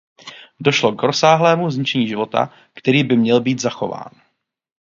Došlo k rozsáhlému zničení života, který by měl být zachován.